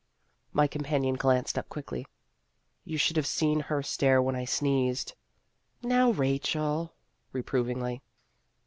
My companion glanced up quickly. " You should have seen her stare when I sneezed." " Now, Rachel," reprovingly.